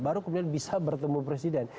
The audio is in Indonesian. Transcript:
baru kemudian bisa bertemu presiden